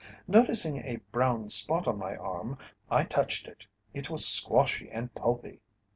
"Noticing a brown spot on my arm, I touched it. It was squashy and pulpy.